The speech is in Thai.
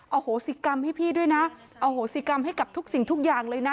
โหสิกรรมให้พี่ด้วยนะอโหสิกรรมให้กับทุกสิ่งทุกอย่างเลยนะ